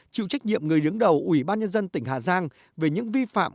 chịu trách nhiệm người đứng đầu ủy ban nhân dân tỉnh hà giang về những vi phạm